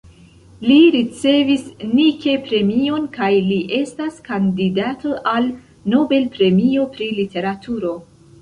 Li ricevis Nike-premion kaj li estas kandidato al Nobel-premio pri literaturo.